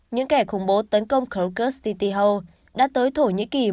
những kẻ khủng bố tấn công kyrgyzstan tito đã tới thổ nhĩ kỳ một thời gian nữa